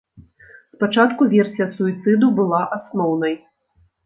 Спачатку версія суіцыду была асноўнай.